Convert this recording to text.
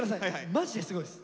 マジですごいっす。